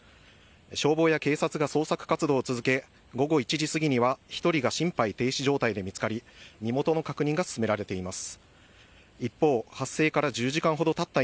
消防や警察が捜索活動を続け午後１時過ぎには１人は心肺停止状態で見つかり身元の確認が進められています。